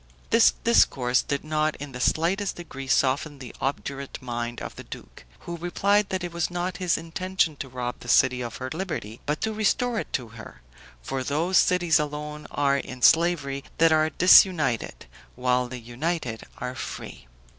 This discourse did not in the slightest degree soften the obdurate mind of the duke, who replied that it was not his intention to rob the city of her liberty, but to restore it to her; for those cities alone are in slavery that are disunited, while the united are free.